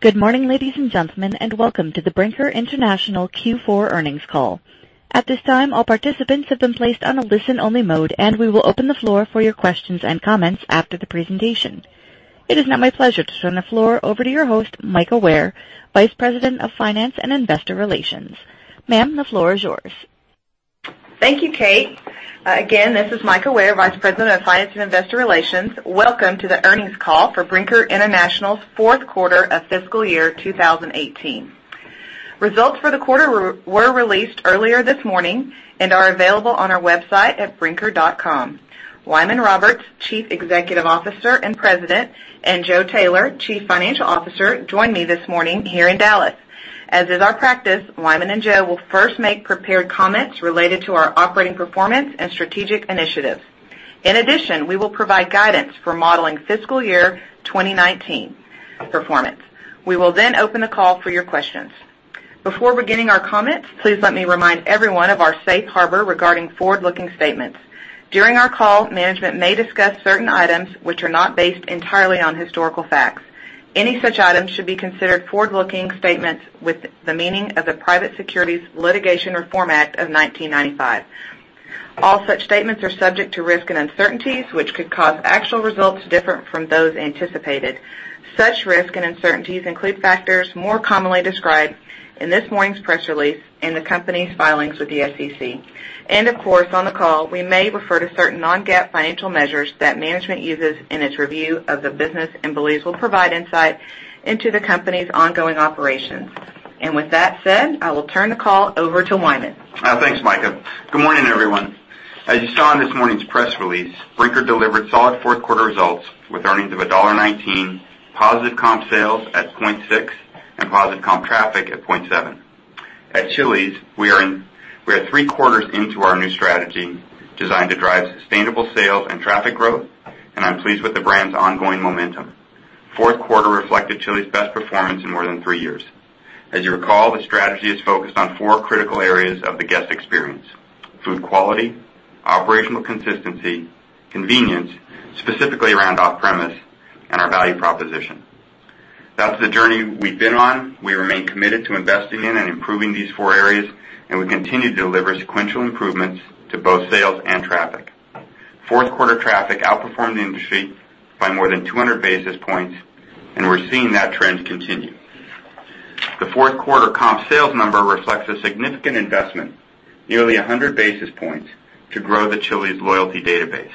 Good morning, ladies and gentlemen, welcome to the Brinker International Q4 earnings call. At this time, all participants have been placed on a listen-only mode, and we will open the floor for your questions and comments after the presentation. It is now my pleasure to turn the floor over to your host, Mika Ware, Vice President of Finance and Investor Relations. Ma'am, the floor is yours. Thank you, Kate. Again, this is Mika Ware, Vice President of Finance and Investor Relations. Welcome to the earnings call for Brinker International's fourth quarter of fiscal year 2018. Results for the quarter were released earlier this morning and are available on our website at brinker.com. Wyman Roberts, Chief Executive Officer and President, and Joe Taylor, Chief Financial Officer, join me this morning here in Dallas. As is our practice, Wyman and Joe will first make prepared comments related to our operating performance and strategic initiatives. In addition, we will provide guidance for modeling fiscal year 2019 performance. We will open the call for your questions. Before beginning our comments, please let me remind everyone of our safe harbor regarding forward-looking statements. During our call, management may discuss certain items which are not based entirely on historical facts. Any such items should be considered forward-looking statements with the meaning of the Private Securities Litigation Reform Act of 1995. All such statements are subject to risks and uncertainties, which could cause actual results to differ from those anticipated. Such risks and uncertainties include factors more commonly described in this morning's press release in the company's filings with the SEC. Of course, on the call, we may refer to certain non-GAAP financial measures that management uses in its review of the business and believes will provide insight into the company's ongoing operations. With that said, I will turn the call over to Wyman. Thanks, Mika. Good morning, everyone. As you saw in this morning's press release, Brinker delivered solid fourth-quarter results with earnings of $1.19, positive comp sales at 0.6%, and positive comp traffic at 0.7%. At Chili's, we are three quarters into our new strategy designed to drive sustainable sales and traffic growth, and I'm pleased with the brand's ongoing momentum. Fourth quarter reflected Chili's best performance in more than three years. As you recall, the strategy is focused on four critical areas of the guest experience: food quality, operational consistency, convenience, specifically around off-premise, and our value proposition. That's the journey we've been on. We remain committed to investing in and improving these four areas, and we continue to deliver sequential improvements to both sales and traffic. Fourth quarter traffic outperformed the industry by more than 200 basis points, and we're seeing that trend continue. The fourth quarter comp sales number reflects a significant investment, nearly 100 basis points, to grow the Chili's loyalty database.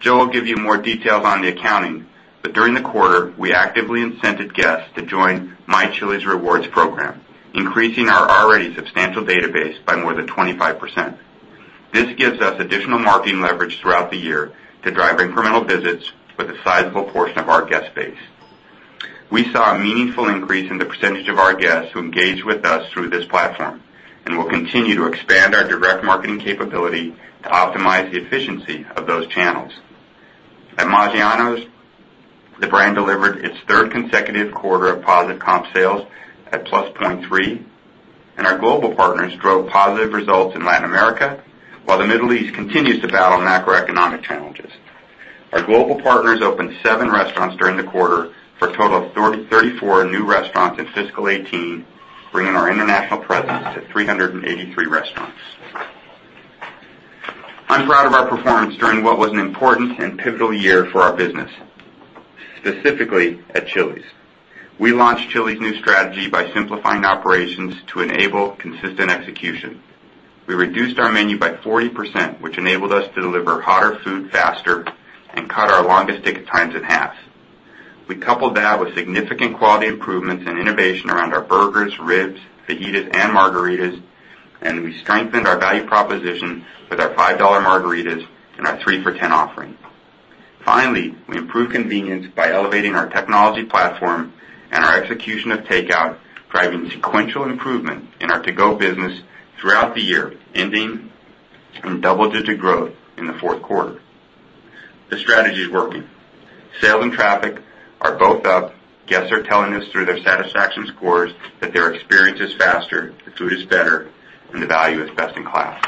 Joe will give you more details on the accounting, but during the quarter, we actively incented guests to join My Chili's Rewards program, increasing our already substantial database by more than 25%. This gives us additional marketing leverage throughout the year to drive incremental visits with a sizable portion of our guest base. We saw a meaningful increase in the percentage of our guests who engage with us through this platform, and we'll continue to expand our direct marketing capability to optimize the efficiency of those channels. At Maggiano's, the brand delivered its third consecutive quarter of positive comp sales at +0.3%, and our global partners drove positive results in Latin America, while the Middle East continues to battle macroeconomic challenges. Our global partners opened seven restaurants during the quarter for a total of 34 new restaurants in fiscal 2018, bringing our international presence to 383 restaurants. I'm proud of our performance during what was an important and pivotal year for our business, specifically at Chili's. We launched Chili's new strategy by simplifying operations to enable consistent execution. We reduced our menu by 40%, which enabled us to deliver hotter food faster and cut our longest ticket times in half. We coupled that with significant quality improvements and innovation around our burgers, ribs, fajitas, and margaritas, and we strengthened our value proposition with our $5 margaritas and our three for $10 offering. Finally, we improved convenience by elevating our technology platform and our execution of takeout, driving sequential improvement in our to-go business throughout the year, ending in double-digit growth in the fourth quarter. The strategy is working. Sales and traffic are both up. Guests are telling us through their satisfaction scores that their experience is faster, the food is better, and the value is best in class.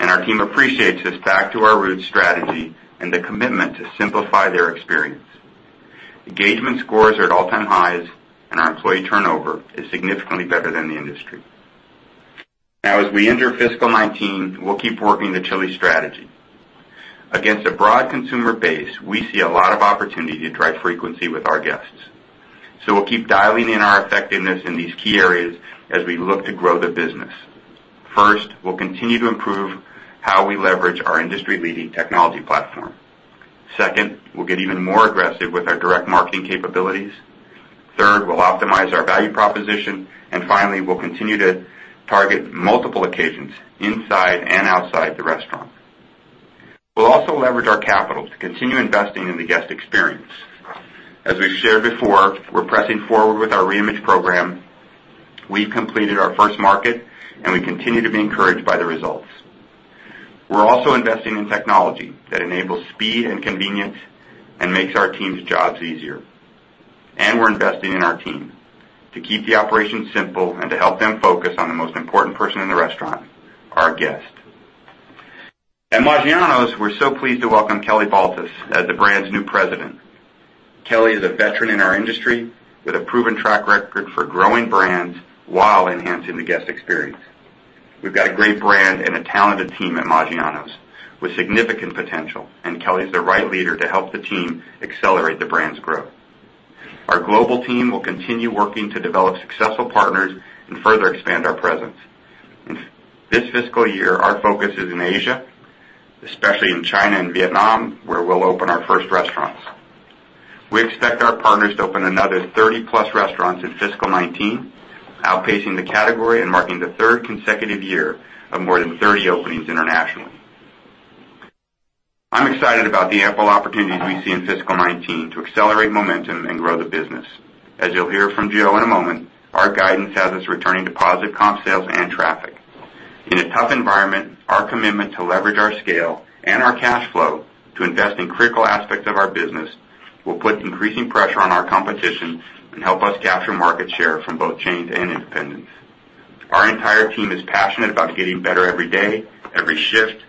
Our team appreciates this back-to-our-roots strategy and the commitment to simplify their experience. Engagement scores are at all-time highs, and our employee turnover is significantly better than the industry. Now, as we enter fiscal 2019, we'll keep working the Chili's strategy. Against a broad consumer base, we see a lot of opportunity to drive frequency with our guests. We'll keep dialing in our effectiveness in these key areas as we look to grow the business. First, we'll continue to improve how we leverage our industry-leading technology platform. Second, we'll get even more aggressive with our direct marketing capabilities. Third, we'll optimize our value proposition. Finally, we'll continue to target multiple occasions inside and outside the restaurant. We'll also leverage our capital to continue investing in the guest experience. As we've shared before, we're pressing forward with our reimage program. We've completed our first market, and we continue to be encouraged by the results. We're also investing in technology that enables speed and convenience and makes our team's jobs easier. We're investing in our team to keep the operation simple and to help them focus on the most important person in the restaurant, our guest. At Maggiano's, we're so pleased to welcome Kelly Baltes as the brand's new president. Kelly is a veteran in our industry with a proven track record for growing brands while enhancing the guest experience. We've got a great brand and a talented team at Maggiano's with significant potential, and Kelly's the right leader to help the team accelerate the brand's growth. Our global team will continue working to develop successful partners and further expand our presence. This fiscal year, our focus is in Asia, especially in China and Vietnam, where we'll open our first restaurants. We expect our partners to open another 30+ restaurants in fiscal 2019, outpacing the category and marking the third consecutive year of more than 30 openings internationally. I'm excited about the ample opportunities we see in fiscal 2019 to accelerate momentum and grow the business. As you'll hear from Joe in a moment, our guidance has us returning to positive comp sales and traffic. In a tough environment, our commitment to leverage our scale and our cash flow to invest in critical aspects of our business will put increasing pressure on our competition and help us capture market share from both chains and independents. Our entire team is passionate about getting better every day, every shift,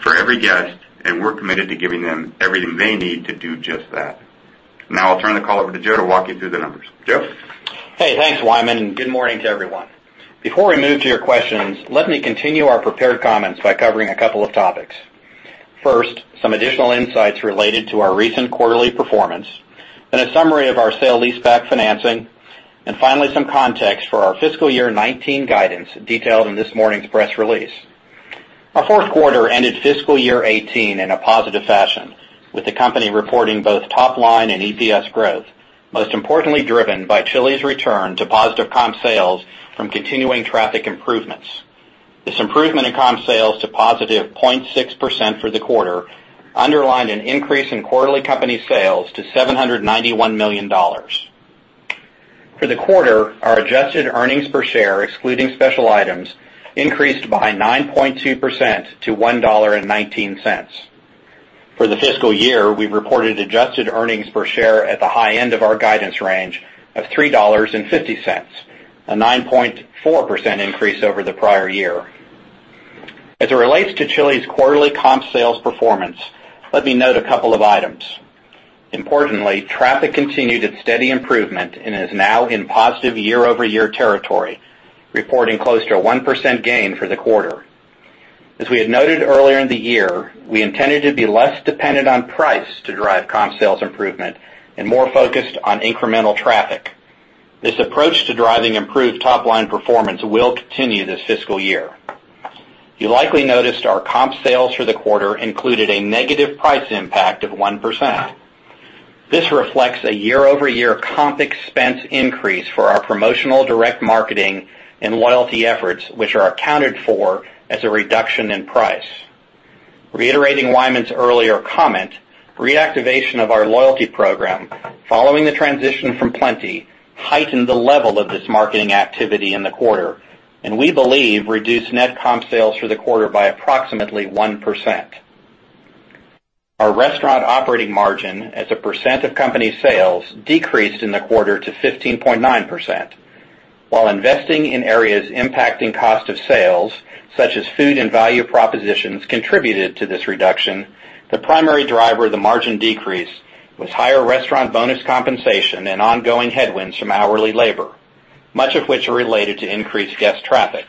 for every guest. We're committed to giving them everything they need to do just that. Now I'll turn the call over to Joe to walk you through the numbers. Joe? Hey, thanks, Wyman, and good morning to everyone. Before we move to your questions, let me continue our prepared comments by covering a couple of topics. First, some additional insights related to our recent quarterly performance, then a summary of our sale leaseback financing, and finally, some context for our fiscal year 2019 guidance detailed in this morning's press release. Our fourth quarter ended fiscal year 2018 in a positive fashion, with the company reporting both top-line and EPS growth, most importantly driven by Chili's return to positive comp sales from continuing traffic improvements. This improvement in comp sales to positive 0.6% for the quarter underlined an increase in quarterly company sales to $791 million. For the quarter, our adjusted earnings per share, excluding special items, increased by 9.2% to $1.19. For the fiscal year, we reported adjusted earnings per share at the high end of our guidance range of $3.50, a 9.4% increase over the prior year. As it relates to Chili's quarterly comp sales performance, let me note a couple of items. Importantly, traffic continued its steady improvement and is now in positive year-over-year territory, reporting close to a 1% gain for the quarter. As we had noted earlier in the year, we intended to be less dependent on price to drive comp sales improvement and more focused on incremental traffic. This approach to driving improved top-line performance will continue this fiscal year. You likely noticed our comp sales for the quarter included a negative price impact of 1%. This reflects a year-over-year comp expense increase for our promotional direct marketing and loyalty efforts, which are accounted for as a reduction in price. Reiterating Wyman's earlier comment, reactivation of our loyalty program following the transition from Plenti heightened the level of this marketing activity in the quarter and we believe reduced net comp sales for the quarter by approximately 1%. Our restaurant operating margin as a percent of company sales decreased in the quarter to 15.9%. While investing in areas impacting cost of sales, such as food and value propositions, contributed to this reduction, the primary driver of the margin decrease was higher restaurant bonus compensation and ongoing headwinds from hourly labor, much of which are related to increased guest traffic.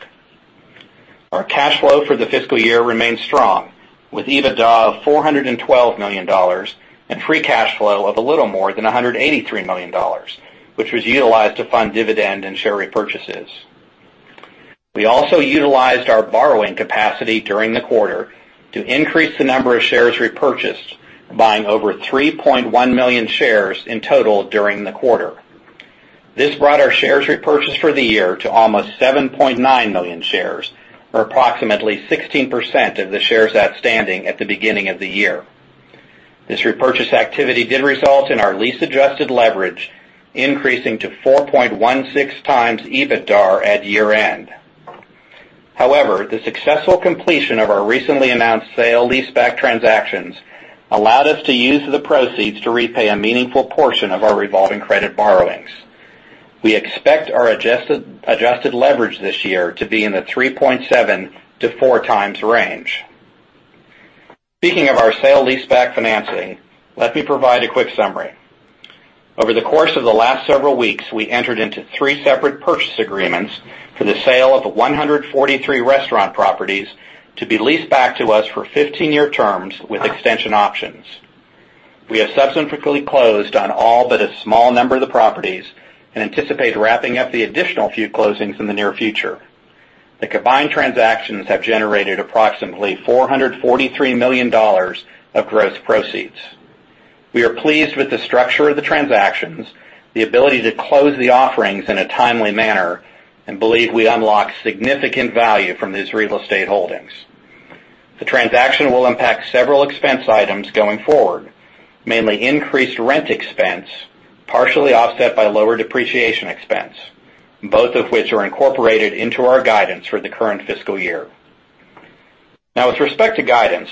Our cash flow for the fiscal year remains strong, with EBITDA of $412 million and free cash flow of a little more than $183 million, which was utilized to fund dividend and share repurchases. We also utilized our borrowing capacity during the quarter to increase the number of shares repurchased, buying over 3.1 million shares in total during the quarter. This brought our shares repurchase for the year to almost 7.9 million shares, or approximately 16% of the shares outstanding at the beginning of the year. This repurchase activity did result in our lease-adjusted leverage increasing to 4.16 times EBITDAR at year-end. However, the successful completion of our recently announced sale leaseback transactions allowed us to use the proceeds to repay a meaningful portion of our revolving credit borrowings. We expect our adjusted leverage this year to be in the 3.7-4 times range. Speaking of our sale leaseback financing, let me provide a quick summary. Over the course of the last several weeks, we entered into three separate purchase agreements for the sale of 143 restaurant properties to be leased back to us for 15-year terms with extension options. We have subsequently closed on all but a small number of the properties and anticipate wrapping up the additional few closings in the near future. The combined transactions have generated approximately $443 million of gross proceeds. We are pleased with the structure of the transactions, the ability to close the offerings in a timely manner, and believe we unlock significant value from these real estate holdings. The transaction will impact several expense items going forward, mainly increased rent expense, partially offset by lower depreciation expense, both of which are incorporated into our guidance for the current fiscal year. With respect to guidance,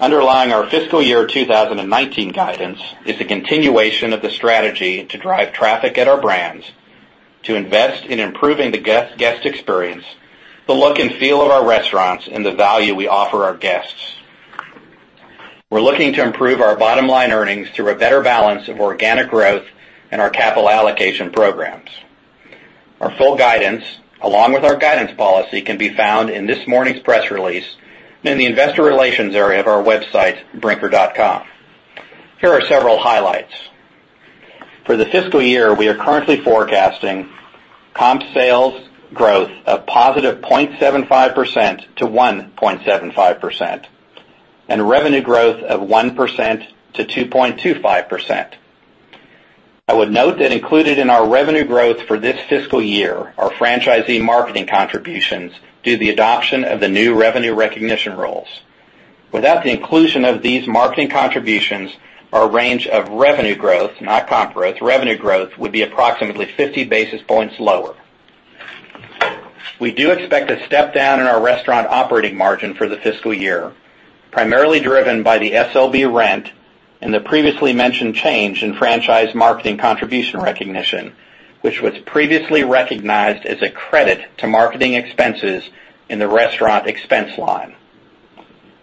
underlying our fiscal year 2019 guidance is the continuation of the strategy to drive traffic at our brands To invest in improving the guest experience, the look and feel of our restaurants, and the value we offer our guests. We're looking to improve our bottom-line earnings through a better balance of organic growth and our capital allocation programs. Our full guidance, along with our guidance policy, can be found in this morning's press release in the investor relations area of our website, brinker.com. Here are several highlights. For the fiscal year, we are currently forecasting comp sales growth of positive 0.75%-1.75% and revenue growth of 1%-2.25%. I would note that included in our revenue growth for this fiscal year, our franchisee marketing contributions, due to the adoption of the new revenue recognition rules. Without the inclusion of these marketing contributions, our range of revenue growth, not comp growth, revenue growth, would be approximately 50 basis points lower. We do expect a step down in our restaurant operating margin for the fiscal year, primarily driven by the SLB rent and the previously mentioned change in franchise marketing contribution recognition, which was previously recognized as a credit to marketing expenses in the restaurant expense line.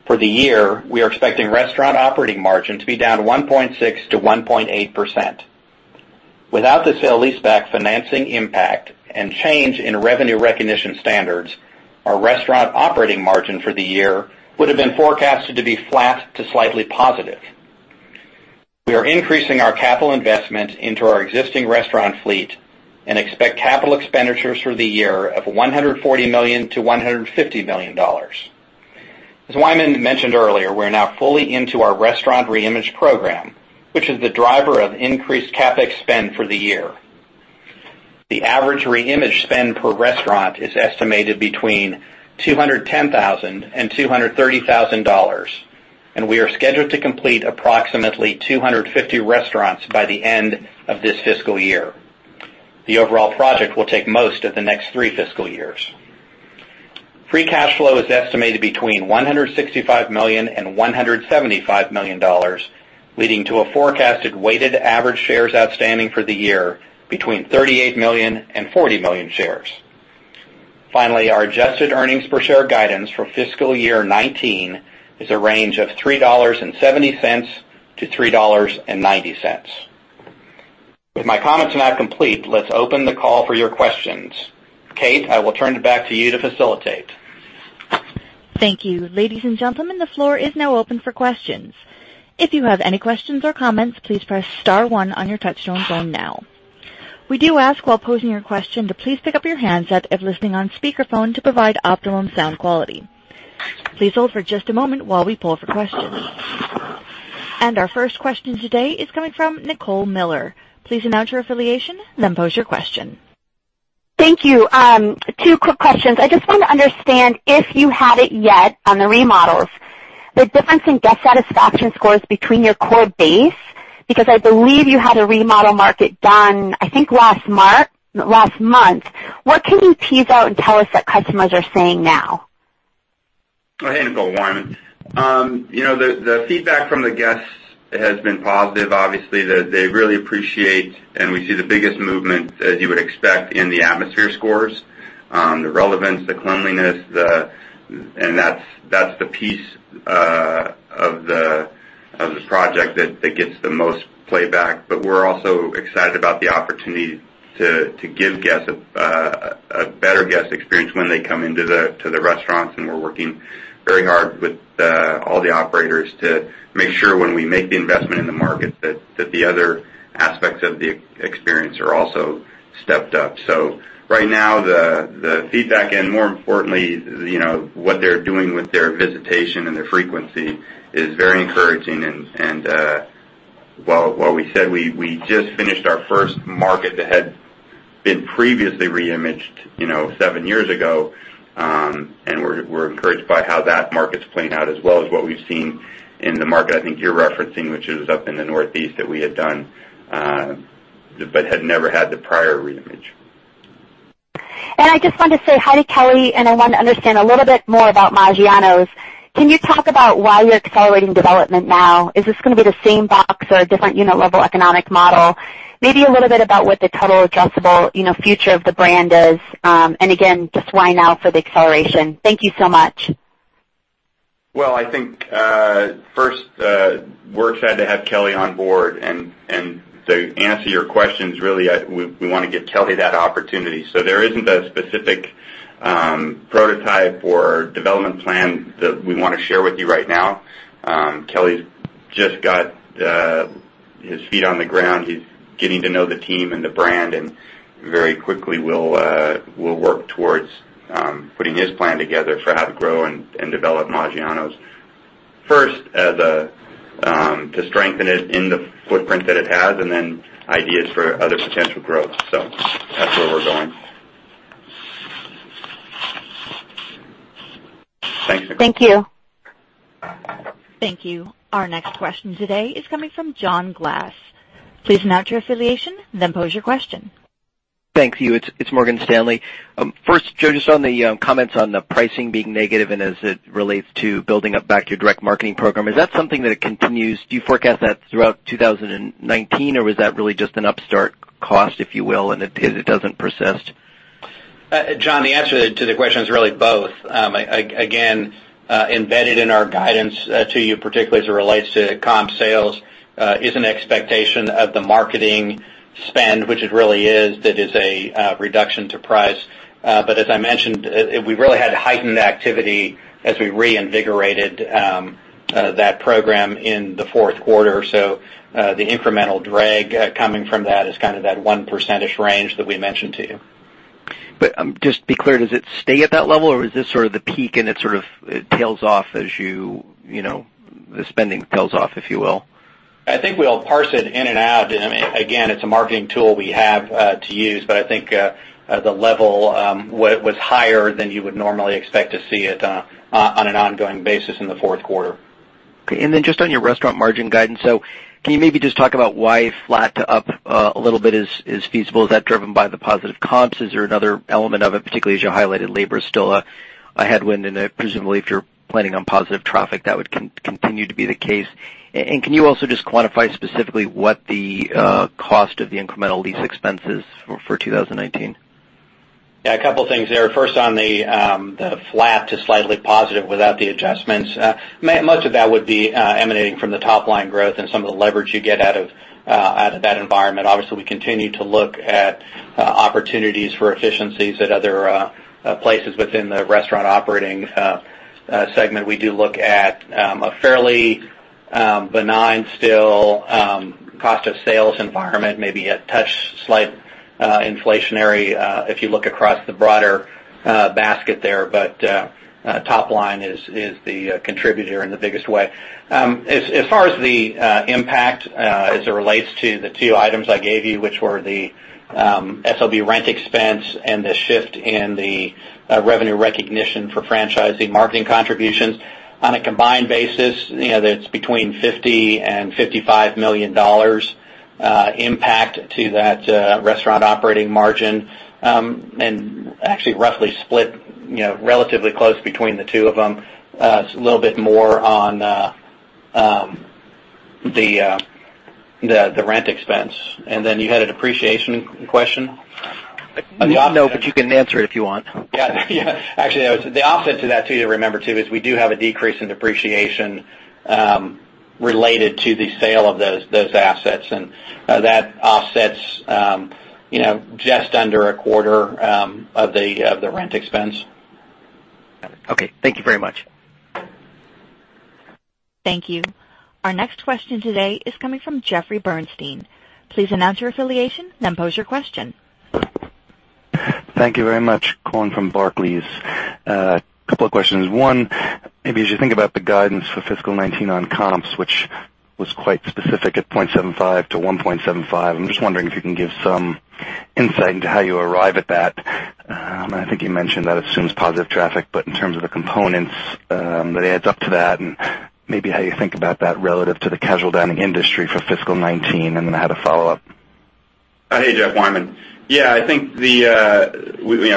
For the year, we are expecting restaurant operating margin to be down 1.6%-1.8%. Without the sale lease back financing impact and change in revenue recognition standards, our restaurant operating margin for the year would have been forecasted to be flat to slightly positive. We are increasing our capital investment into our existing restaurant fleet and expect capital expenditures for the year of $140 million-$150 million. As Wyman mentioned earlier, we're now fully into our restaurant reimage program, which is the driver of increased CapEx spend for the year. The average reimage spend per restaurant is estimated between $210,000 and $230,000, and we are scheduled to complete approximately 250 restaurants by the end of this fiscal year. The overall project will take most of the next three fiscal years. Free cash flow is estimated between $165 million and $175 million, leading to a forecasted weighted average shares outstanding for the year between 38 million and 40 million shares. Finally, our adjusted earnings per share guidance for fiscal year 2019 is a range of $3.70 to $3.90. With my comments now complete, let's open the call for your questions. Kate, I will turn it back to you to facilitate. Thank you. Ladies and gentlemen, the floor is now open for questions. If you have any questions or comments, please press *1 on your touchtone phone now. We do ask, while posing your question, to please pick up your handset if listening on speakerphone to provide optimum sound quality. Please hold for just a moment while we poll for questions. Our first question today is coming from Nicole Miller. Please announce your affiliation, then pose your question. Thank you. Two quick questions. I just want to understand if you have it yet on the remodels, the difference in guest satisfaction scores between your core base, because I believe you had a remodel market done, I think last month. What can you tease out and tell us what customers are saying now? Hey, Nicole. Wyman. The feedback from the guests has been positive. Obviously, they really appreciate, and we see the biggest movement, as you would expect, in the atmosphere scores, the relevance, the cleanliness, and that's the piece of the project that gets the most playback. We're also excited about the opportunity to give guests a better guest experience when they come into the restaurants. We're working very hard with all the operators to make sure when we make the investment in the market, that the other aspects of the experience are also stepped up. Right now, the feedback and more importantly, what they're doing with their visitation and their frequency is very encouraging. While we said we just finished our first market that had been previously re-imaged 7 years ago, and we're encouraged by how that market's playing out, as well as what we've seen in the market, I think you're referencing, which is up in the Northeast, that we had done but had never had the prior re-image. I just wanted to say hi to Kelly, and I wanted to understand a little bit more about Maggiano's. Can you talk about why you're accelerating development now? Is this going to be the same box or a different unit-level economic model? Maybe a little bit about what the total addressable future of the brand is, and again, just why now for the acceleration. Thank you so much. Well, I think first, we're excited to have Kelly on board, and to answer your questions, really, we want to give Kelly that opportunity. There isn't a specific prototype or development plan that we want to share with you right now. Kelly's just got his feet on the ground. He's getting to know the team and the brand, and very quickly, we'll work towards putting his plan together for how to grow and develop Maggiano's. First, to strengthen it in the footprint that it has, and then ideas for other potential growth. That's where we're going. Thanks, Nicole. Thank you. Thank you. Our next question today is coming from John Glass. Please announce your affiliation, then pose your question. Thank you. It's Morgan Stanley. First, Joe, just on the comments on the pricing being negative and as it relates to building up back to your direct marketing program, is that something that continues? Do you forecast that throughout 2019, or was that really just an upstart cost, if you will, and it doesn't persist? John, the answer to the question is really both. Again, embedded in our guidance to you, particularly as it relates to comp sales, is an expectation of the marketing spend, which it really is, that is a reduction to price. As I mentioned, we really had heightened activity as we reinvigorated that program in the fourth quarter. The incremental drag coming from that is kind of that 1% range that we mentioned to you. Just to be clear, does it stay at that level or is this sort of the peak and it sort of tails off as the spending tails off, if you will? I think we'll parse it in and out. Again, it's a marketing tool we have to use, but I think, the level was higher than you would normally expect to see it on an ongoing basis in the fourth quarter. Just on your restaurant margin guidance, can you maybe just talk about why flat to up a little bit is feasible? Is that driven by the positive comps? Is there another element of it, particularly as you highlighted labor is still a headwind and presumably if you're planning on positive traffic, that would continue to be the case. Can you also just quantify specifically what the cost of the incremental lease expense is for 2019? A couple of things there. First, on the flat to slightly positive without the adjustments. Much of that would be emanating from the top line growth and some of the leverage you get out of that environment. Obviously, we continue to look at opportunities for efficiencies at other places within the restaurant operating segment. We do look at a fairly benign still cost of sales environment, maybe a touch slight inflationary, if you look across the broader basket there. Top line is the contributor in the biggest way. As far as the impact, as it relates to the two items I gave you, which were the SLB rent expense and the shift in the revenue recognition for franchising marketing contributions. On a combined basis, that's between $50 million and $55 million impact to that restaurant operating margin. actually roughly split, relatively close between the two of them, a little bit more on the rent expense. You had a depreciation question? No, but you can answer it if you want. Actually, the offset to that too, to remember too, is we do have a decrease in depreciation, related to the sale of those assets. That offsets just under a quarter of the rent expense. Got it. Okay. Thank you very much. Thank you. Our next question today is coming from Jeffrey Bernstein. Please announce your affiliation and then pose your question. Thank you very much. Coming from Barclays. A couple of questions. One, maybe as you think about the guidance for fiscal 2019 on comps, which was quite specific at 0.75%-1.75%, I'm just wondering if you can give some insight into how you arrive at that. I think you mentioned that assumes positive traffic, but in terms of the components that adds up to that, and maybe how you think about that relative to the casual dining industry for fiscal 2019. Then I had a follow-up. Hey, Jeff. Wyman.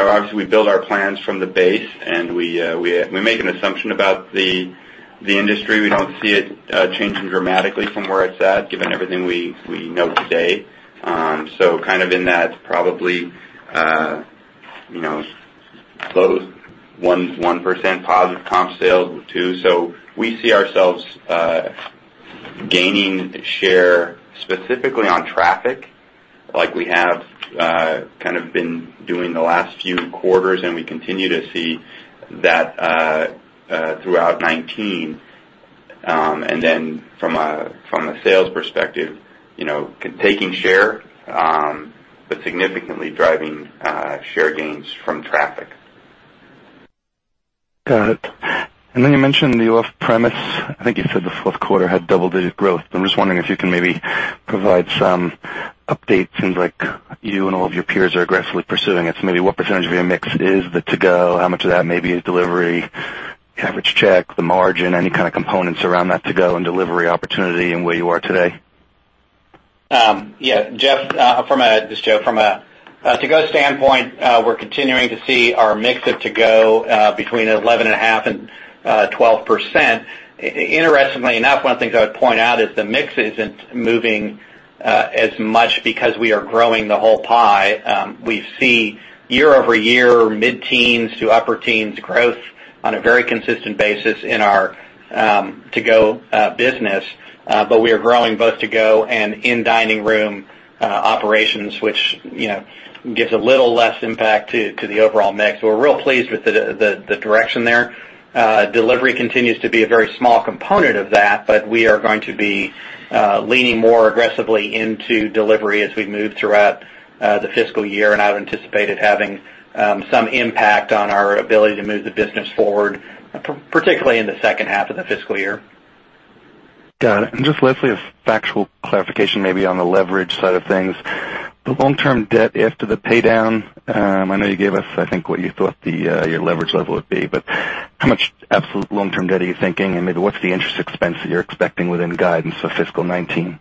Obviously, we build our plans from the base. We make an assumption about the industry. We don't see it changing dramatically from where it's at, given everything we know today. Kind of in that probably close 1% positive comp sales or two. We see ourselves gaining share specifically on traffic like we have kind of been doing the last few quarters, and we continue to see that throughout 2019. From a sales perspective, taking share, but significantly driving share gains from traffic. Got it. Then you mentioned the off-premise, I think you said the fourth quarter had double-digit growth. I'm just wondering if you can maybe provide some updates. Seems like you and all of your peers are aggressively pursuing it. Maybe what percentage of your mix is the to-go? How much of that may be delivery, average check, the margin, any kind of components around that to-go and delivery opportunity and where you are today? Yeah. Jeff, this is Joe. From a to-go standpoint, we're continuing to see our mix of to-go between 11.5%-12%. Interestingly enough, one of the things I would point out is the mix isn't moving as much because we are growing the whole pie. We see year-over-year, mid-teens to upper teens growth on a very consistent basis in our to-go business. We are growing both to-go and in-dining room operations, which gives a little less impact to the overall mix. We're real pleased with the direction there. Delivery continues to be a very small component of that, but we are going to be leaning more aggressively into delivery as we move throughout the fiscal year. I would anticipate it having some impact on our ability to move the business forward, particularly in the second half of the fiscal year. Got it. Just lastly, a factual clarification maybe on the leverage side of things. The long-term debt after the paydown, I know you gave us, I think, what you thought your leverage level would be, but how much absolute long-term debt are you thinking? Maybe what's the interest expense that you're expecting within guidance for fiscal 2019?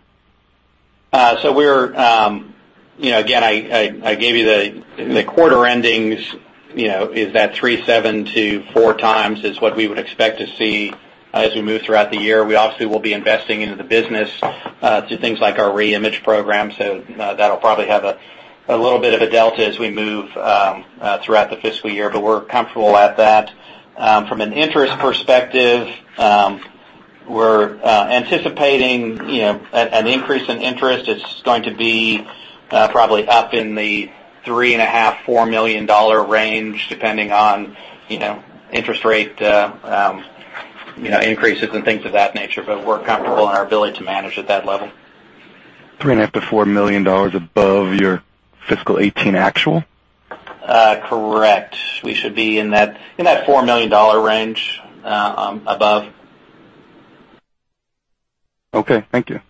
Again, I gave you the quarter endings, 3.7-4 times is what we would expect to see. As we move throughout the year, we obviously will be investing into the business through things like our reimage program. That'll probably have a little bit of a delta as we move throughout the fiscal year, but we're comfortable at that. From an interest perspective, we're anticipating an increase in interest. It's going to be probably up in the $3.5 million-$4 million range, depending on interest rate increases and things of that nature. We're comfortable in our ability to manage at that level. $3.5 million-$4 million above your fiscal 2018 actual? Correct. We should be in that $4 million range above. Okay, thank you.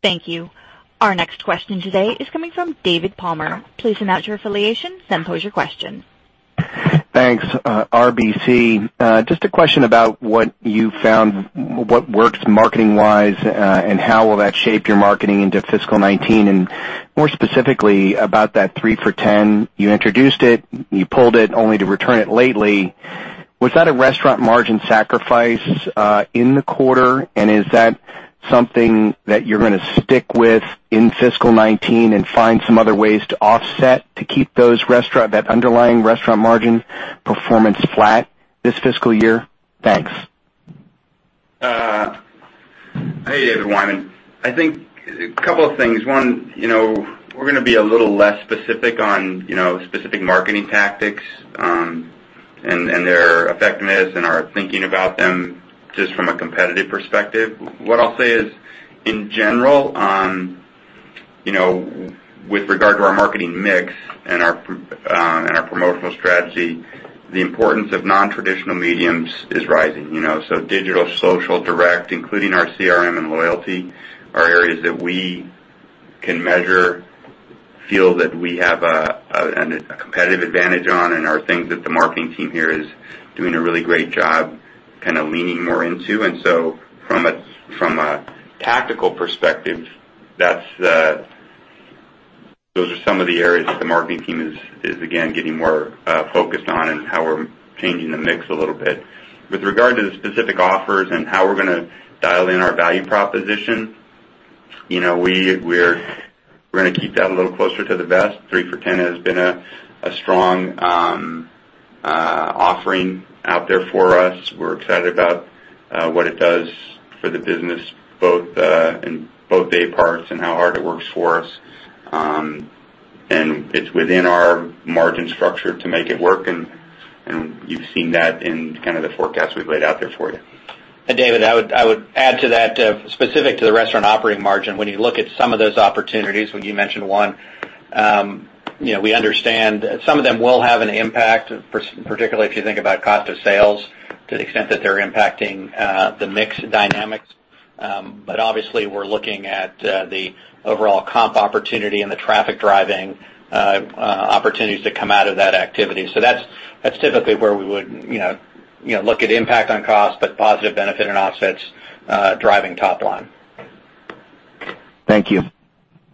Thank you. Our next question today is coming from David Palmer. Please state your affiliation then pose your question. Thanks. RBC. Just a question about what you found, what works marketing wise, and how will that shape your marketing into fiscal 2019, and more specifically about that three for 10. You introduced it, you pulled it only to return it lately. Was that a restaurant margin sacrifice in the quarter? Is that something that you're going to stick with in fiscal 2019 and find some other ways to offset to keep that underlying restaurant margin performance flat this fiscal year? Thanks. Hey, David Palmer. I think a couple of things. One, we're going to be a little less specific on specific marketing tactics, and their effectiveness and our thinking about them just from a competitive perspective. What I'll say is, in general, with regard to our marketing mix and our promotional strategy, the importance of nontraditional mediums is rising. Digital, social, direct, including our CRM and loyalty, are areas that we can measure, feel that we have a competitive advantage on, and are things that the marketing team here is doing a really great job kind of leaning more into. From a tactical perspective, those are some of the areas that the marketing team is, again, getting more focused on and how we're changing the mix a little bit. With regard to the specific offers and how we're going to dial in our value proposition, we're going to keep that a little closer to the vest. Three for 10 has been a strong offering out there for us. We're excited about what it does for the business, both in day parts and how hard it works for us. It's within our margin structure to make it work, and you've seen that in kind of the forecast we've laid out there for you. David, I would add to that, specific to the restaurant operating margin, when you look at some of those opportunities, when you mentioned one, we understand some of them will have an impact, particularly if you think about cost of sales to the extent that they're impacting the mix dynamics. Obviously, we're looking at the overall comp opportunity and the traffic-driving opportunities that come out of that activity. That's typically where we would look at impact on cost, but positive benefit and offsets driving top line. Thank you.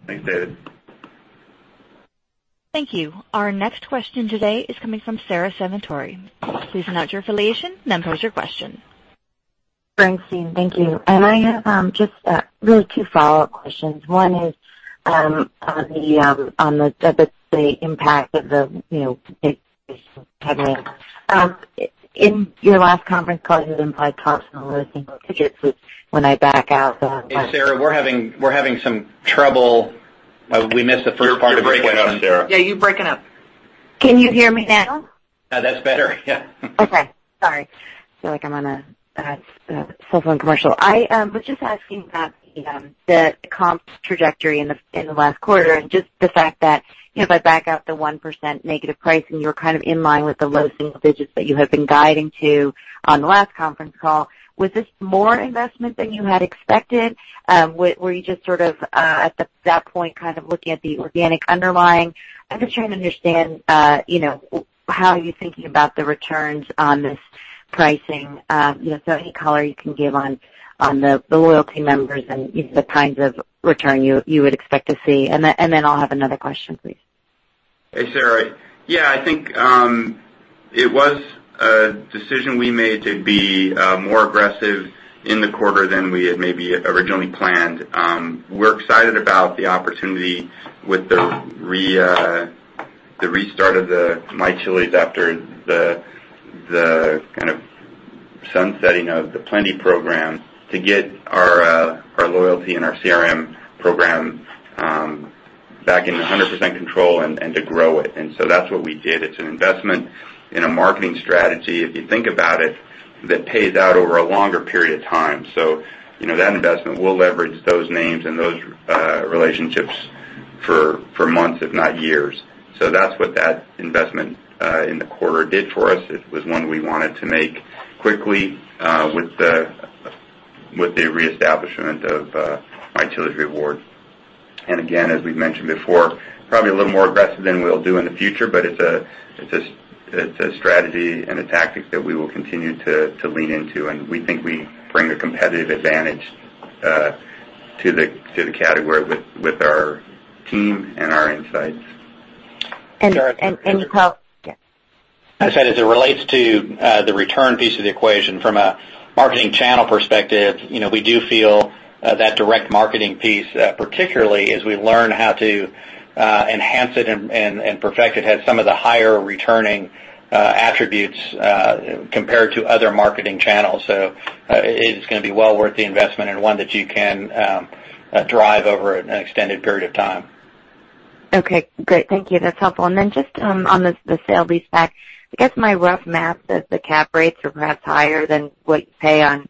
Thanks, David. Thank you. Our next question today is coming from Sara Senatore. Please state your affiliation then pose your question. Thanks. Thank you. I have just really two follow-up questions. In your last conference call, you implied comps in the low single digits, which when I back out the- Hey, Sara, we're having some trouble. We missed the first part of your question. You're breaking up, Sara. Yeah, you're breaking up. Can you hear me now? That's better. Yeah. Okay. Sorry. Feel like I'm on a cell phone commercial. I was just asking about the comps trajectory in the last quarter, and just the fact that if I back out the 1% negative pricing, you're kind of in line with the low single digits that you have been guiding to on the last conference call. Was this more investment than you had expected? Were you just sort of at that point, kind of looking at the organic underlying? I'm just trying to understand how you're thinking about the returns on this pricing. Any color you can give on the loyalty members and the kinds of return you would expect to see, and then I'll have another question, please. Hey, Sara. Yeah, I think, it was a decision we made to be more aggressive in the quarter than we had maybe originally planned. We're excited about the opportunity with the restart of the My Chili's after the kind of sunsetting of the Plenti program to get our loyalty and our CRM program back in 100% control and to grow it. That's what we did. It's an investment in a marketing strategy, if you think about it, that pays out over a longer period of time. That investment will leverage those names and those relationships for months, if not years. That's what that investment in the quarter did for us. It was one we wanted to make quickly with the reestablishment of My Chili's Rewards. Again, as we've mentioned before, probably a little more aggressive than we'll do in the future, but it's a strategy and a tactic that we will continue to lean into, we think we bring a competitive advantage to the category with our team and our insights. Yes. I said, as it relates to the return piece of the equation from a marketing channel perspective, we do feel that direct marketing piece, particularly as we learn how to enhance it and perfect it, has some of the higher returning attributes compared to other marketing channels. It is going to be well worth the investment and one that you can drive over an extended period of time. Okay, great. Thank you. That's helpful. Just on the sale leaseback, I guess my rough math that the cap rates are perhaps higher than what you pay on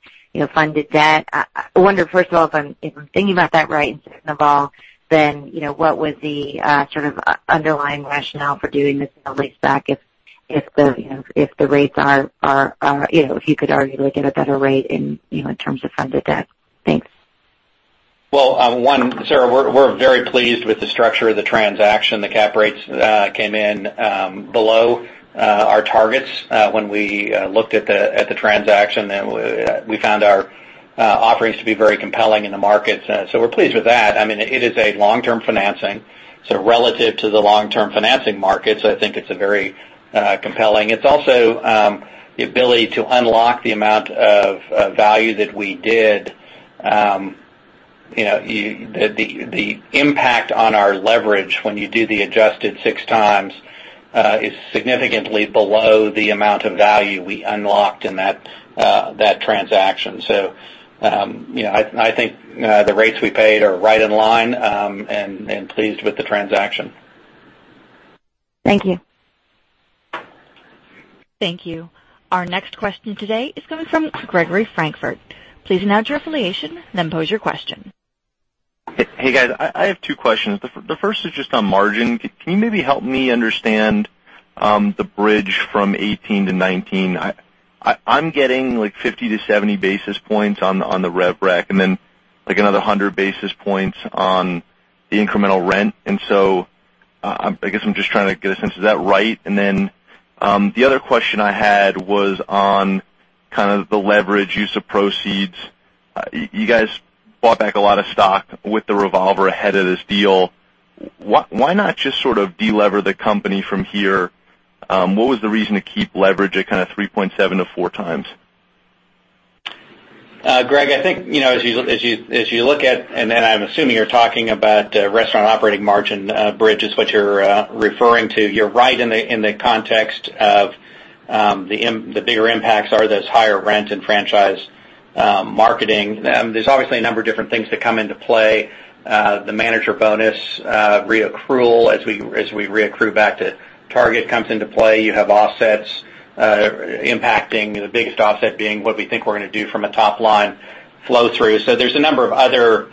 funded debt. I wonder, first of all, if I'm thinking about that right. Second of all, what was the sort of underlying rationale for doing the sale leaseback if you could argue to get a better rate in terms of funded debt? Thanks. Well, one, Sara, we're very pleased with the structure of the transaction. The cap rates came in below our targets. When we looked at the transaction, we found our offerings to be very compelling in the market. We're pleased with that. It is a long-term financing, so relative to the long-term financing markets, I think it's very compelling. It's also the ability to unlock the amount of value that we did. The impact on our leverage when you do the adjusted six times is significantly below the amount of value we unlocked in that transaction. I think the rates we paid are right in line, and pleased with the transaction. Thank you. Thank you. Our next question today is coming from Gregory Francfort. Please announce your affiliation, then pose your question. Hey, guys. I have two questions. The first is just on margin. Can you maybe help me understand the bridge from 2018 to 2019? I'm getting 50 to 70 basis points on the rev rec and then another 100 basis points on the incremental rent. I guess I'm just trying to get a sense, is that right? The other question I had was on kind of the leverage use of proceeds. You guys bought back a lot of stock with the revolver ahead of this deal. Why not just sort of de-lever the company from here? What was the reason to keep leverage at 3.7-4 times? Greg, I think as you look at, I'm assuming you're talking about restaurant operating margin bridges, what you're referring to. You're right in the context of the bigger impacts are those higher rent and franchise marketing. There's obviously a number of different things that come into play. The manager bonus re-accrual, as we re-accrue back to target, comes into play. You have offsets impacting, the biggest offset being what we think we're going to do from a top-line flow-through. There's a number of other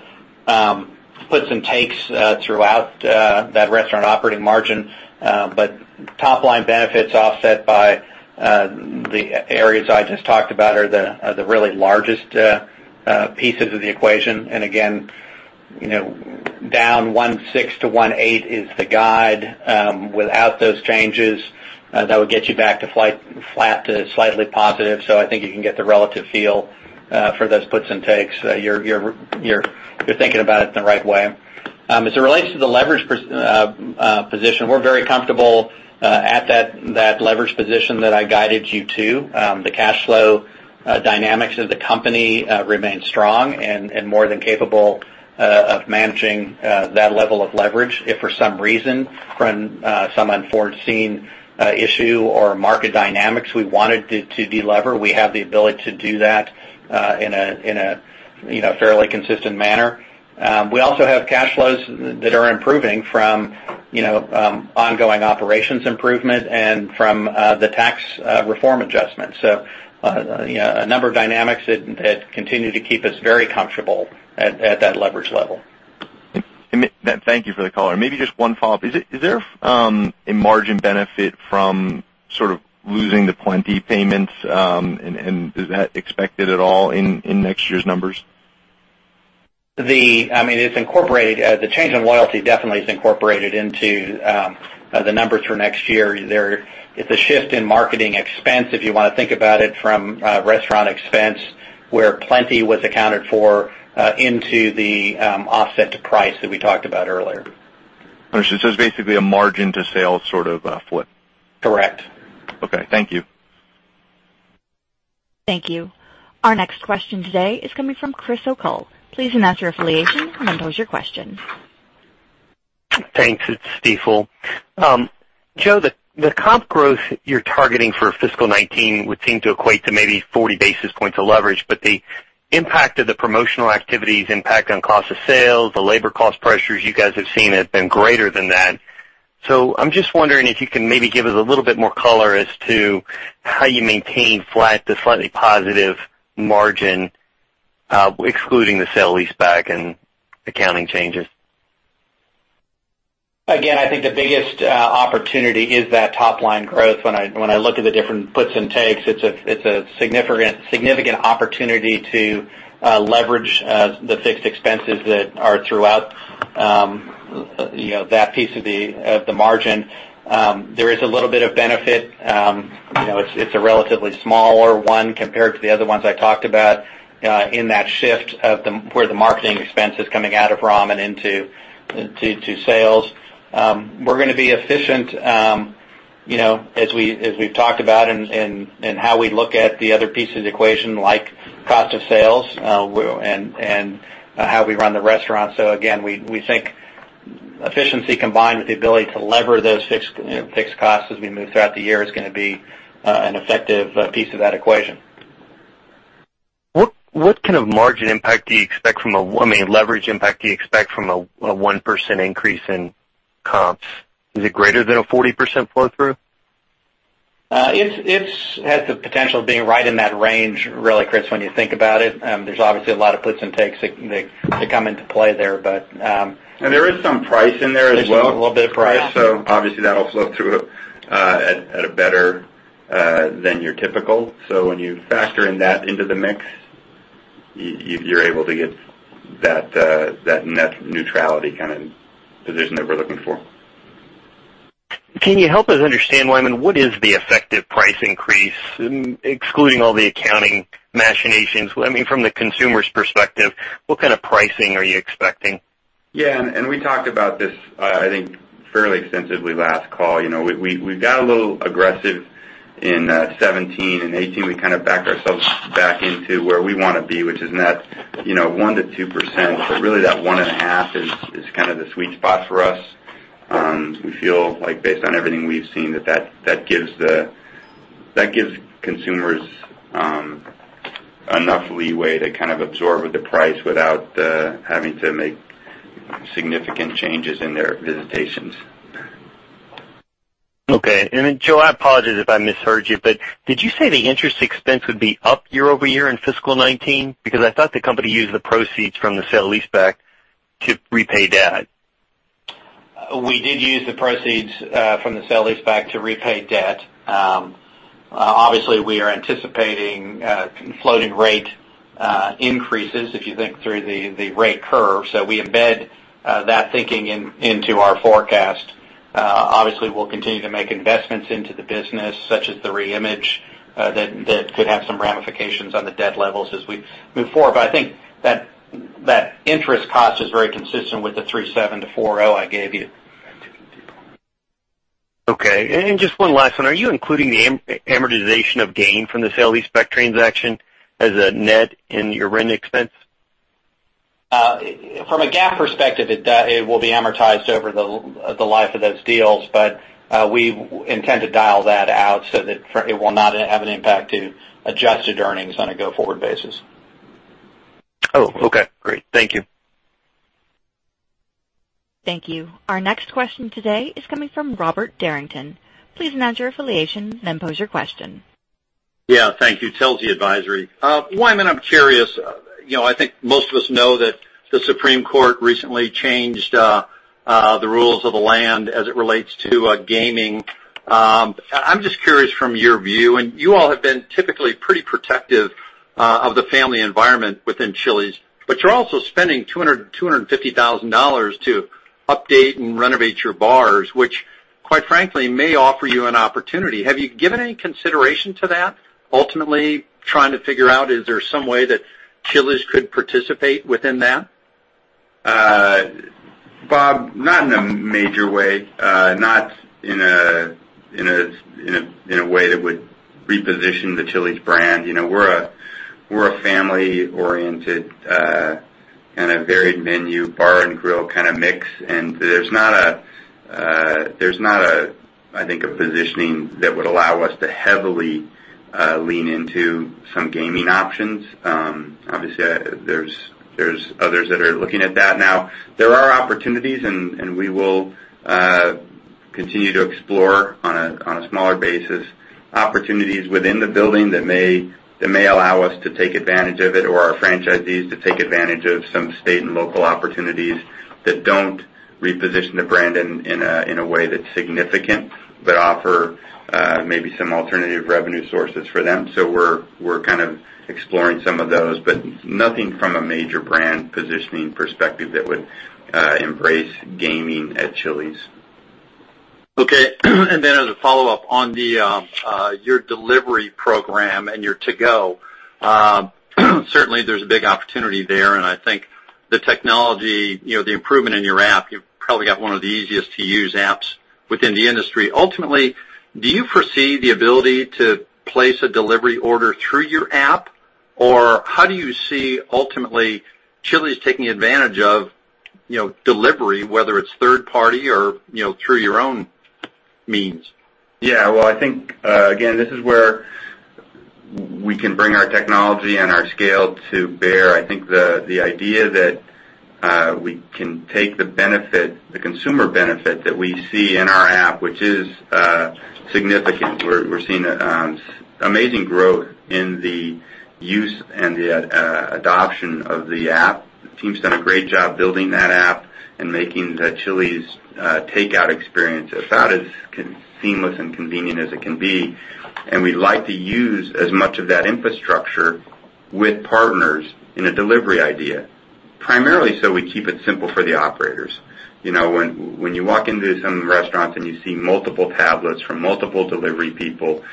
puts and takes throughout that restaurant operating margin. Top-line benefit's offset by the areas I just talked about are the really largest pieces of the equation. Again, down 1.6-1.8 is the guide. Without those changes, that would get you back to flat to slightly positive. I think you can get the relative feel for those puts and takes. You're thinking about it in the right way. As it relates to the leverage position, we're very comfortable at that leverage position that I guided you to. The cash flow dynamics of the company remain strong and more than capable of managing that level of leverage. If for some reason, from some unforeseen issue or market dynamics, we wanted to de-lever, we have the ability to do that in a fairly consistent manner. We also have cash flows that are improving from ongoing operations improvement and from the tax reform adjustment. A number of dynamics that continue to keep us very comfortable at that leverage level. Thank you for the color. Maybe just one follow-up. Is there a margin benefit from sort of losing the Plenti payments? Is that expected at all in next year's numbers? It's incorporated. The change in loyalty definitely is incorporated into the numbers for next year. It's a shift in marketing expense, if you want to think about it, from restaurant expense, where Plenti was accounted for, into the offset to price that we talked about earlier. Understood. It's basically a margin to sales sort of flip. Correct. Okay. Thank you. Thank you. Our next question today is coming from Chris O'Cull. Please announce your affiliation and then pose your question. Thanks. It's Stifel. Joe, the comp growth you're targeting for fiscal 2019 would seem to equate to maybe 40 basis points of leverage, but the impact of the promotional activities, impact on cost of sales, the labor cost pressures you guys have seen have been greater than that. I'm just wondering if you can maybe give us a little bit more color as to how you maintain flat to slightly positive margin, excluding the sale leaseback and accounting changes. Again, I think the biggest opportunity is that top-line growth. When I look at the different puts and takes, it's a significant opportunity to leverage the fixed expenses that are throughout that piece of the margin. There is a little bit of benefit. It's a relatively smaller one compared to the other ones I talked about in that shift of where the marketing expense is coming out of ROM and into sales. We're going to be efficient as we've talked about and how we look at the other pieces of the equation, like cost of sales, and how we run the restaurant. Again, we think efficiency combined with the ability to lever those fixed costs as we move throughout the year is going to be an effective piece of that equation. What kind of margin impact do you expect from leverage impact do you expect from a 1% increase in comps? Is it greater than a 40% flow through? It has the potential of being right in that range, really, Chris, when you think about it. There's obviously a lot of puts and takes that come into play there. There is some price in there as well. There's a little bit of price. Obviously that'll flow through at a better than your typical. When you factor in that into the mix, you're able to get that net neutrality kind of position that we're looking for. Can you help us understand, Wyman, what is the effective price increase, excluding all the accounting machinations? From the consumer's perspective, what kind of pricing are you expecting? Yeah, we talked about this, I think, fairly extensively last call. We got a little aggressive in 2017 and 2018. We kind of backed ourselves back into where we want to be, which is net 1%-2%, but really that one and a half is kind of the sweet spot for us. We feel like based on everything we've seen, that gives consumers enough leeway to kind of absorb the price without having to make significant changes in their visitations. Okay. Joe, I apologize if I misheard you, but did you say the interest expense would be up year-over-year in fiscal 2019? I thought the company used the proceeds from the sale leaseback to repay debt. We did use the proceeds from the sale leaseback to repay debt. Obviously, we are anticipating floating rate increases, if you think through the rate curve. We embed that thinking into our forecast. Obviously, we'll continue to make investments into the business, such as the reimage, that could have some ramifications on the debt levels as we move forward. I think that interest cost is very consistent with the 3.7%-4.0% I gave you. Okay. Just one last one. Are you including the amortization of gain from the sale leaseback transaction as a net in your rent expense? From a GAAP perspective, it will be amortized over the life of those deals, but we intend to dial that out so that it will not have an impact to adjusted earnings on a go-forward basis. Oh, okay. Great. Thank you. Thank you. Our next question today is coming from Robert Derrington. Please announce your affiliation, then pose your question. Yeah, thank you. Telsey Advisory. Wyman, I'm curious. I think most of us know that the Supreme Court recently changed the rules of the land as it relates to gaming. I'm just curious from your view, and you all have been typically pretty protective of the family environment within Chili's, but you're also spending $250,000 to update and renovate your bars, which quite frankly may offer you an opportunity. Have you given any consideration to that, ultimately trying to figure out, is there some way that Chili's could participate within that? Bob, not in a major way. Not in a way that would reposition the Chili's brand. We're a family-oriented and a varied menu bar and grill kind of mix, and there's not, I think, a positioning that would allow us to heavily lean into some gaming options. Obviously, there's others that are looking at that now. There are opportunities, and we will continue to explore on a smaller basis, opportunities within the building that may allow us to take advantage of it or our franchisees to take advantage of some state and local opportunities that don't reposition the brand in a way that's significant, but offer maybe some alternative revenue sources for them. We're kind of exploring some of those, but nothing from a major brand positioning perspective that would embrace gaming at Chili's. Okay. As a follow-up on your delivery program and your to-go, certainly there's a big opportunity there, and I think the technology, the improvement in your app, you've probably got one of the easiest to use apps within the industry. Ultimately, do you foresee the ability to place a delivery order through your app? How do you see ultimately Chili's taking advantage of delivery, whether it's third party or through your own means? Yeah. Well, I think, again, this is where we can bring our technology and our scale to bear. I think the idea that we can take the consumer benefit that we see in our app, which is significant. We're seeing amazing growth in the use and the adoption of the app. The team's done a great job building that app and making the Chili's takeout experience about as seamless and convenient as it can be. We like to use as much of that infrastructure with partners in a delivery idea, primarily so we keep it simple for the operators. When you walk into some restaurants and you see multiple tablets from multiple delivery people,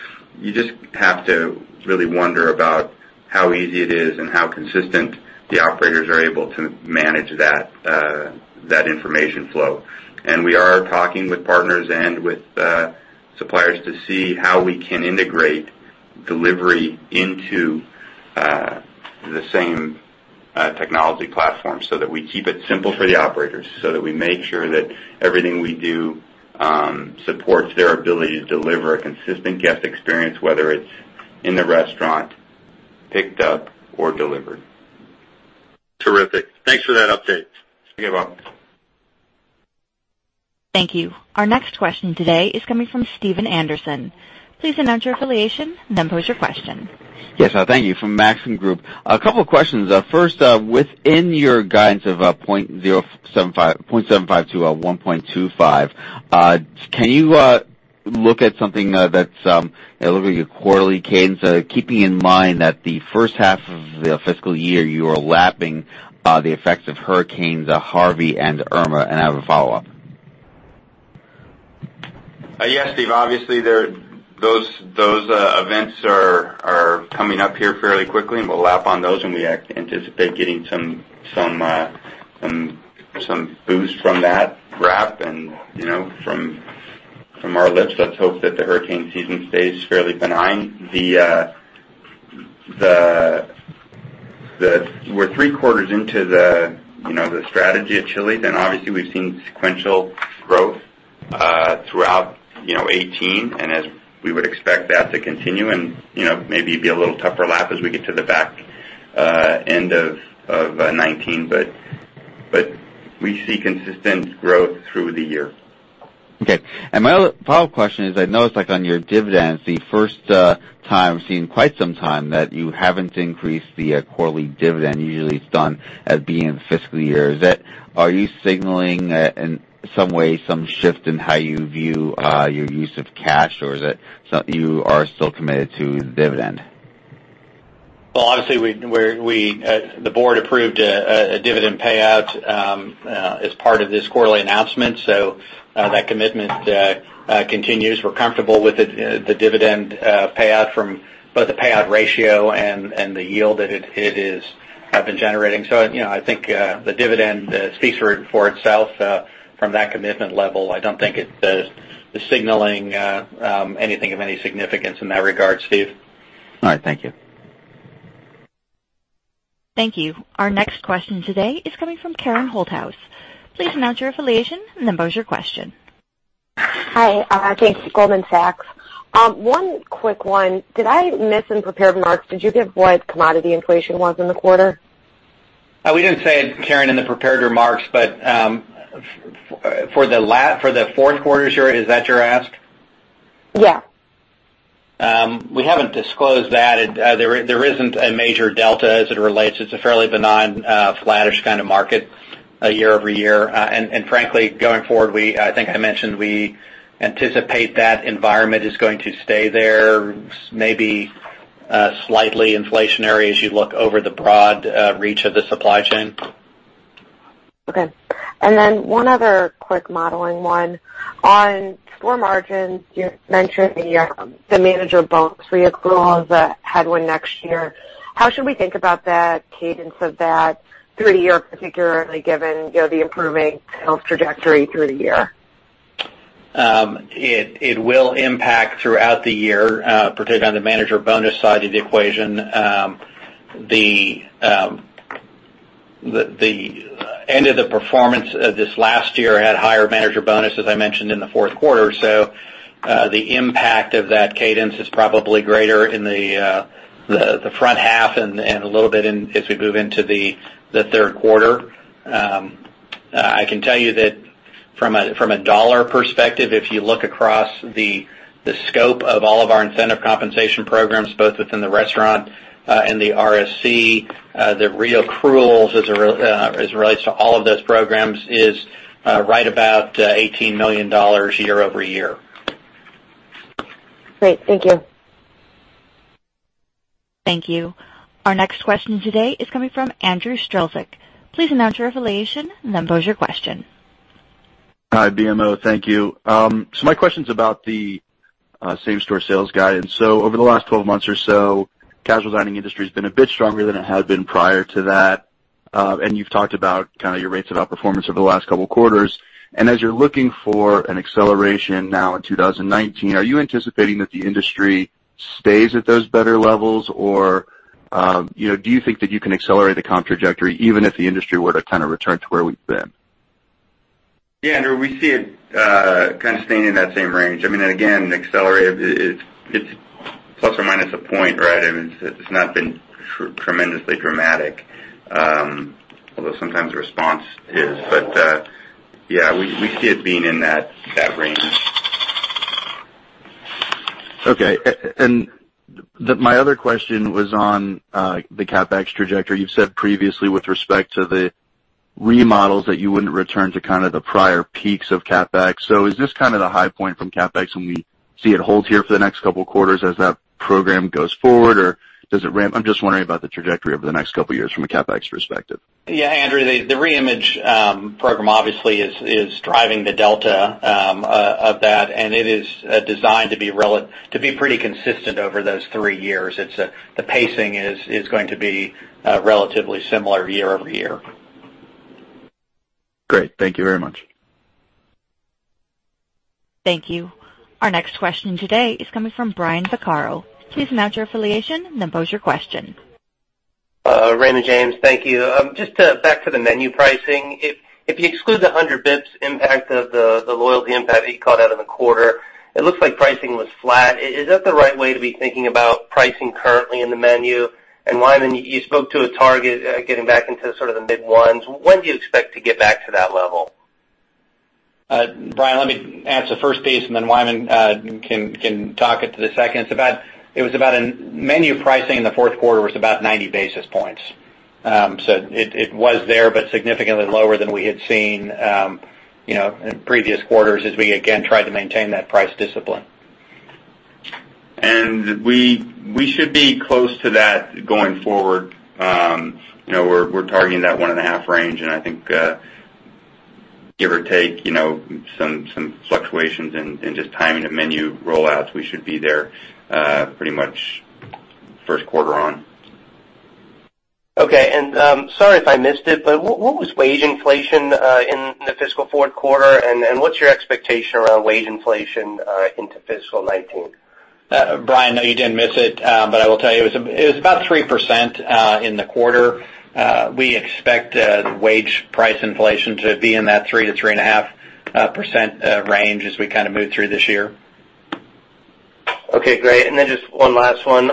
you just have to really wonder about how easy it is and how consistent the operators are able to manage that information flow. We are talking with partners and with suppliers to see how we can integrate delivery into the same technology platform so that we keep it simple for the operators, so that we make sure that everything we do supports their ability to deliver a consistent guest experience, whether it's in the restaurant, picked up or delivered. Terrific. Thanks for that update. You're welcome. Thank you. Our next question today is coming from Stephen Anderson. Please announce your affiliation, and then pose your question. Yes. Thank you. From Maxim Group. A couple of questions. First, within your guidance of 0.75-1.25, can you look at your quarterly cadence, keeping in mind that the first half of the fiscal year, you are lapping the effects of hurricanes Harvey and Irma, and I have a follow-up. Yes, Steve. Obviously, those events are coming up here fairly quickly, and we'll lap on those, and we anticipate getting some boost from that wrap and from our lifts. Let's hope that the hurricane season stays fairly benign. We're three quarters into the strategy at Chili's, and obviously, we've seen sequential growth throughout 2018. As we would expect that to continue and maybe be a little tougher lap as we get to the back end of 2019, we see consistent growth through the year. Okay. My other follow-up question is, I noticed on your dividends, the first time we've seen quite some time that you haven't increased the quarterly dividend. Usually, it's done at the end of the fiscal year. Are you signaling in some way some shift in how you view your use of cash, or is it you are still committed to the dividend? Well, obviously, the board approved a dividend payout as part of this quarterly announcement. That commitment continues. We're comfortable with the dividend payout from both the payout ratio and the yield that it has been generating. I think the dividend speaks for itself from that commitment level. I don't think it is signaling anything of any significance in that regard, Steve. All right. Thank you. Thank you. Our next question today is coming from Karen Holthouse. Please announce your affiliation, and then pose your question. Hi. Thank you. Goldman Sachs. One quick one. Did I miss in prepared remarks, did you give what commodity inflation was in the quarter? We didn't say it, Karen, in the prepared remarks, but for the fourth quarter share, is that your ask? Yeah. We haven't disclosed that. There isn't a major delta as it relates. It's a fairly benign, flattish kind of market year-over-year. Frankly, going forward, I think I mentioned we anticipate that environment is going to stay there, maybe slightly inflationary as you look over the broad reach of the supply chain. Okay. Then one other quick modeling one. On store margins, you mentioned the manager bonus reaccrual as a headwind next year. How should we think about the cadence of that through the year, particularly given the improving sales trajectory through the year? It will impact throughout the year, particularly on the manager bonus side of the equation. The end of the performance of this last year had higher manager bonus, as I mentioned in the fourth quarter. The impact of that cadence is probably greater in the front half and a little bit as we move into the third quarter. I can tell you that from a dollar perspective, if you look across the scope of all of our incentive compensation programs, both within the restaurant and the RSC, the reaccrual as it relates to all of those programs is right about $18 million year-over-year. Great. Thank you. Thank you. Our next question today is coming from Andrew Strelzik. Please announce your affiliation, and then pose your question. Hi, BMO. Thank you. My question's about the same-store sales guidance. Over the last 12 months or so, casual dining industry has been a bit stronger than it had been prior to that. You've talked about kind of your rates of outperformance over the last couple of quarters. As you're looking for an acceleration now in 2019, are you anticipating that the industry stays at those better levels? Do you think that you can accelerate the comp trajectory even if the industry were to kind of return to where we've been? Yeah, Andrew, we see it kind of staying in that same range. I mean, again, accelerated, it's plus or minus a point, right? I mean, it's not been tremendously dramatic, although sometimes the response is. Yeah, we see it being in that range. Okay. My other question was on the CapEx trajectory. You've said previously with respect to the remodels that you wouldn't return to kind of the prior peaks of CapEx. Is this kind of the high point from CapEx, and we see it hold here for the next couple of quarters as that program goes forward, or does it ramp? I'm just wondering about the trajectory over the next couple of years from a CapEx perspective. Yeah, Andrew, the reimage program obviously is driving the delta of that, and it is designed to be pretty consistent over those three years. The pacing is going to be relatively similar year-over-year. Great. Thank you very much. Thank you. Our next question today is coming from Brian Vaccaro. Please announce your affiliation and then pose your question. Raymond James, thank you. Back to the menu pricing. If you exclude the 100 basis points impact of the loyalty impact that you called out in the quarter, it looks like pricing was flat. Is that the right way to be thinking about pricing currently in the menu? Wyman, you spoke to a target, getting back into sort of the mid ones. When do you expect to get back to that level? Brian, let me answer the first piece, then Wyman can talk it to the second. Menu pricing in the fourth quarter was about 90 basis points. It was there, but significantly lower than we had seen in previous quarters as we, again, tried to maintain that price discipline. We should be close to that going forward. We're targeting that 1.5 range, and I think, give or take, some fluctuations in just timing of menu rollouts, we should be there pretty much first quarter on. Okay. Sorry if I missed it, but what was wage inflation in the fiscal fourth quarter, and what's your expectation around wage inflation into fiscal 2019? Brian, no, you didn't miss it, but I will tell you, it was about 3% in the quarter. We expect wage price inflation to be in that 3%-3.5% range as we move through this year. Okay, great. Just one last one.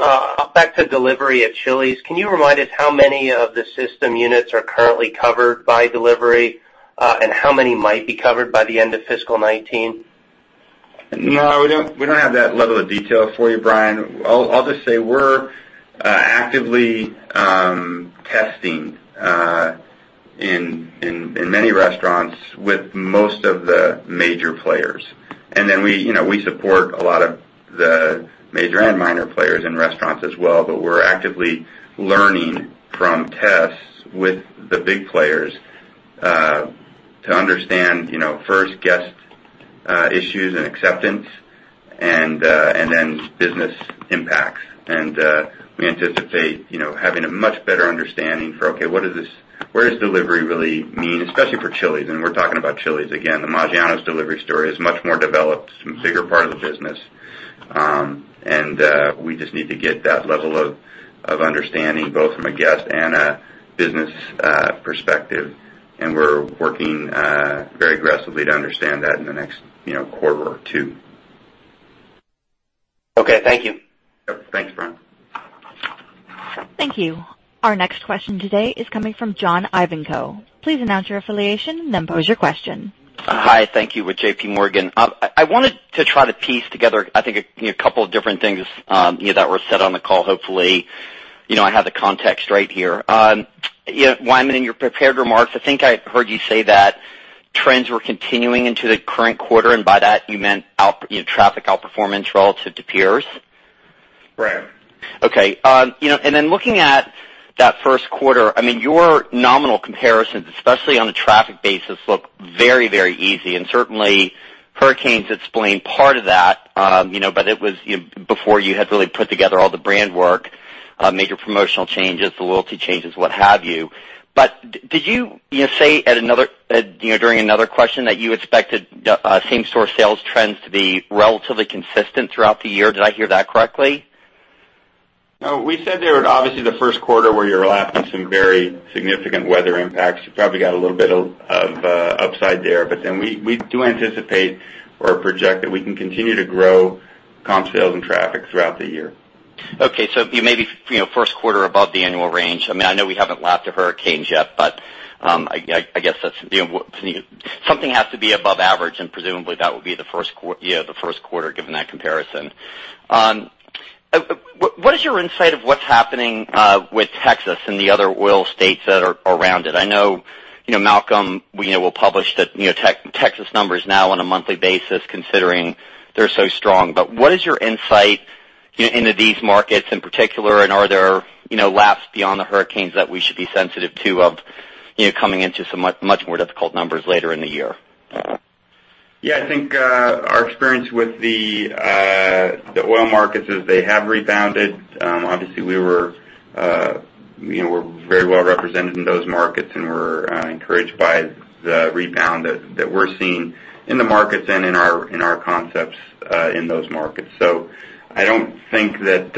Back to delivery at Chili's. Can you remind us how many of the system units are currently covered by delivery? How many might be covered by the end of fiscal 2019? No, we don't have that level of detail for you, Brian. I'll just say we're actively testing in many restaurants with most of the major players. We support a lot of the major and minor players in restaurants as well, but we're actively learning from tests with the big players, to understand first guest issues and acceptance and then business impacts. We anticipate having a much better understanding for, okay, where does delivery really mean, especially for Chili's, and we're talking about Chili's. Again, the Maggiano's delivery story is much more developed, it's a bigger part of the business. We just need to get that level of understanding, both from a guest and a business perspective. We're working very aggressively to understand that in the next quarter or two. Okay, thank you. Yep. Thanks, Brian. Thank you. Our next question today is coming from John Ivankoe. Please announce your affiliation and then pose your question. Hi, thank you. With JPMorgan. I wanted to try to piece together a couple of different things that were said on the call. Hopefully, I have the context right here. Wyman, in your prepared remarks, I think I heard you say that trends were continuing into the current quarter, and by that you meant traffic outperformance relative to peers. Right. Okay. Looking at that first quarter, your nominal comparisons, especially on a traffic basis, look very easy, and certainly hurricanes explain part of that. It was before you had really put together all the brand work, made your promotional changes, the loyalty changes, what have you. Did you say during another question that you expected same store sales trends to be relatively consistent throughout the year? Did I hear that correctly? No, we said there obviously the first quarter where you're lapping some very significant weather impacts, you probably got a little bit of upside there. We do anticipate or project that we can continue to grow comp sales and traffic throughout the year. Okay. You may be first quarter above the annual range. I know we haven't lapped the hurricanes yet, I guess something has to be above average, and presumably that would be the first quarter given that comparison. What is your insight of what's happening with Texas and the other oil states that are around it? I know Malcolm will publish the Texas numbers now on a monthly basis considering they're so strong. What is your insight into these markets in particular, and are there laps beyond the hurricanes that we should be sensitive to of coming into some much more difficult numbers later in the year? Yeah, I think our experience with the oil markets is they have rebounded. Obviously, we're very well represented in those markets, and we're encouraged by the rebound that we're seeing in the markets and in our concepts in those markets. I think that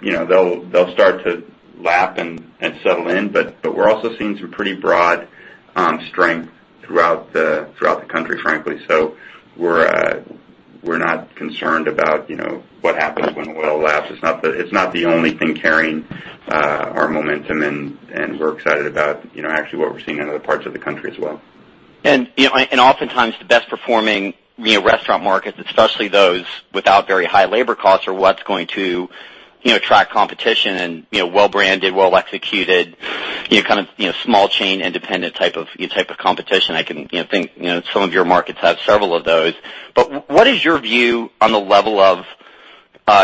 they'll start to lap and settle in. We're also seeing some pretty broad strength throughout the country, frankly. We're not concerned about what happens when the oil laps. It's not the only thing carrying our momentum, and we're excited about actually what we're seeing in other parts of the country as well. Oftentimes the best performing restaurant markets, especially those without very high labor costs, are what's going to attract competition and well branded, well executed, small chain, independent type of competition. I can think some of your markets have several of those. What is your view on the level of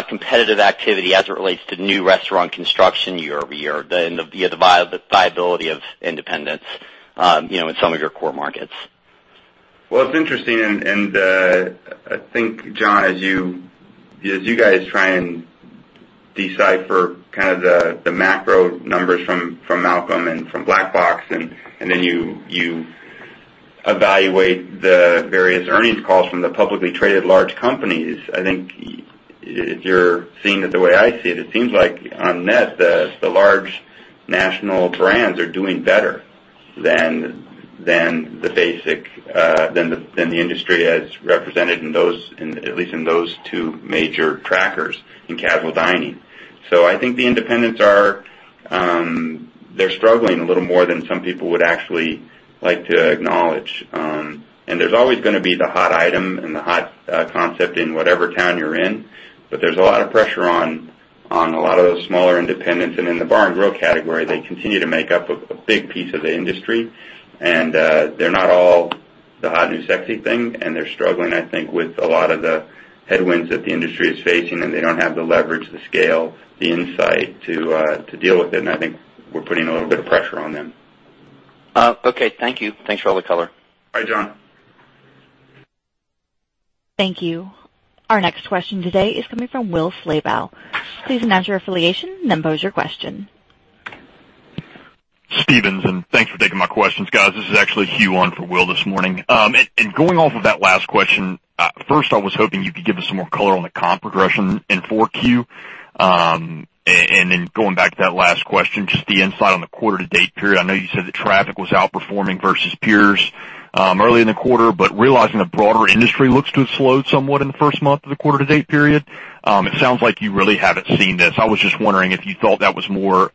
competitive activity as it relates to new restaurant construction year-over-year, the viability of independents in some of your core markets? Well, it's interesting, and I think, John, as you guys try and decipher the macro numbers from Malcolm and from Black Box, you evaluate the various earnings calls from the publicly traded large companies. I think if you're seeing it the way I see it seems like on net, the large national brands are doing better than the industry has represented at least in those two major trackers in casual dining. I think the independents are struggling a little more than some people would actually like to acknowledge. There's always going to be the hot item and the hot concept in whatever town you're in. There's a lot of pressure on a lot of those smaller independents. In the bar and grill category, they continue to make up a big piece of the industry. They're not all the hot new sexy thing, and they're struggling, I think, with a lot of the headwinds that the industry is facing, and they don't have the leverage, the scale, the insight to deal with it, and I think we're putting a little bit of pressure on them. Okay. Thank you. Thanks for all the color. All right, John. Thank you. Our next question today is coming from Will Slabaugh. Please announce your affiliation and then pose your question. Stephens Inc. Thanks for taking my questions, guys. This is actually Hugh on for Will this morning. Going off of that last question, first I was hoping you could give us some more color on the comp progression in 4Q. Then going back to that last question, just the insight on the quarter to date period. I know you said that traffic was outperforming versus peers early in the quarter, realizing the broader industry looks to have slowed somewhat in the first month of the quarter to date period, it sounds like you really haven't seen this. I was just wondering if you thought that was more